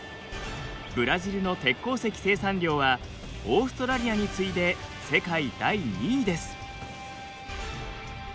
ブラジルの鉄鉱石生産量はオーストラリアに次いで世界第２位です。